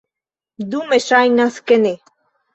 Dume ŝajnas, ke ne.